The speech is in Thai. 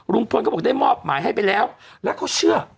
ลุงปนนก็บอกได้มอบใหม่ให้ไปแล้วแล้วก็เชื่อ